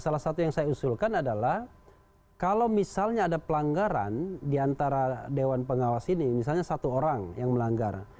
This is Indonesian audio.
salah satu yang saya usulkan adalah kalau misalnya ada pelanggaran diantara dewan pengawas ini misalnya satu orang yang melanggar